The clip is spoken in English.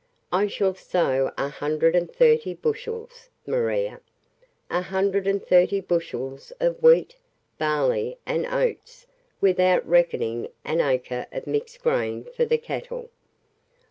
I shall sow a hundred and thirty bushels, Maria, a hundred and thirty bushels of wheat, barley and oats, without reckoning an acre of mixed grain for the cattle.